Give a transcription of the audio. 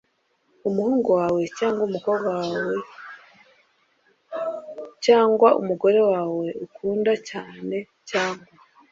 umuhungu wawe cyangwa umukobwa wawe cyangwa umugore wawe ukunda cyane cyangwa